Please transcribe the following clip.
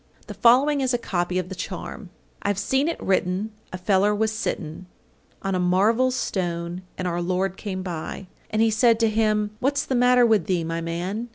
The following is a copy of the charm: I've seen it written a feller was sitten On a marvel stone, and our Lord came by, And He said to him, "What's the matter with thee, my man?"